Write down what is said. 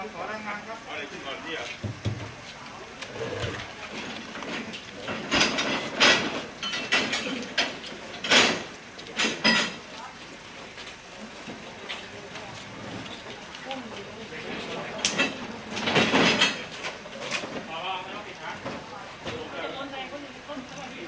ของพนักขึ้นก่อน